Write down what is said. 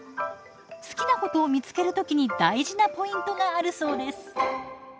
好きなことを見つける時に大事なポイントがあるそうです。